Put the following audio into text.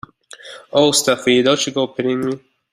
Oh, Stephanie, don’t you go pitying me.